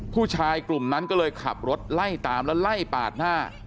ผู้ชายกลุ่มนั้นก็เลยขับรถไล่ตามแล้วไล่ปาดหน้า